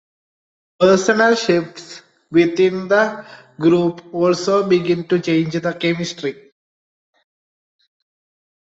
Personnel shifts within the group also began to change the chemistry.